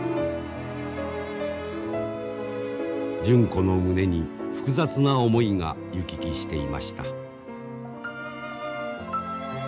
純子の胸に複雑な思いが行き来していました。